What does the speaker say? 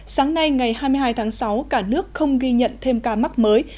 sáng nay ngày hai mươi hai tháng sáu cả nước không ghi nhận thêm ca mắc mới